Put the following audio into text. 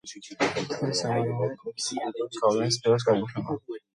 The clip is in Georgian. თლიის სამაროვანი კოლხური კულტურის გავლენის სფეროს განეკუთვნება.